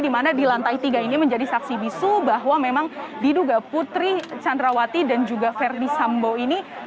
di mana di lantai tiga ini menjadi saksi bisu bahwa memang diduga putri candrawati dan juga verdi sambo ini